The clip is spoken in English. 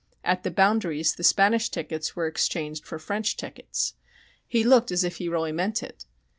At the boundaries the Spanish tickets were exchanged for French tickets." He looked as if he really meant it.